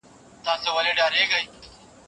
ستا له مشقي ټوپکه ځار شم